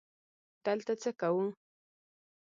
_دلته څه کوو؟